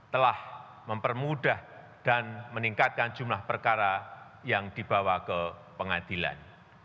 telah mempermudah dan meningkatkan jumlah perkara yang dibawa ke pengadilan